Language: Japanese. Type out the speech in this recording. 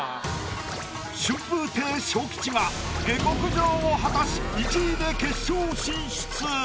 春風亭昇吉が下克上を果たし１位で決勝進出！